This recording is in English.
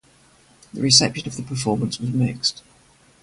The reception of the performance was mixed.